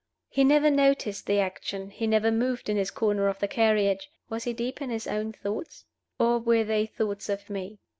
He never noticed the action; he never moved in his corner of the carriage. Was he deep in his own thoughts? and were they thoughts of Me?